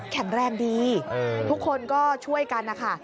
แข็งแรงดีทุกคนก็ช่วยกันนะคะ